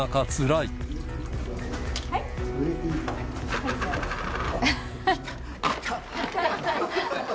いた！